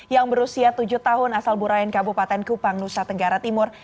yang berusia tujuh tahun asal burayan kabupaten kupang nusa tenggara timur